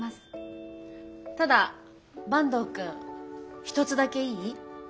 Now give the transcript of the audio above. ただ坂東くん一つだけいい？